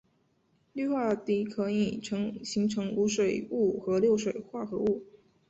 氯化铽可以形成无水物和六水合物。